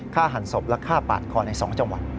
หันศพและฆ่าปาดคอใน๒จังหวัด